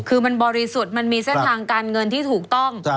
คือมันบริสุทธิ์มันมีเส้นทางการเงินที่ถูกต้อง